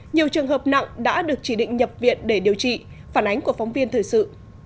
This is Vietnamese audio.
nhiều trường hợp nặng đã được chỉ định nhập viện để điều trị phản ánh của phóng viên thời sự